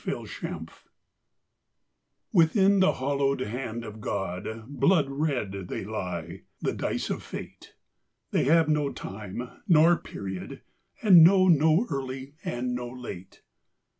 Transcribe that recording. FORTUNE Within the hollowed hand of God Blood red they lie, the dice of Fate, That have no time nor period, And know no early and no late.